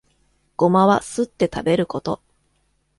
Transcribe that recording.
ゴマはすって食べること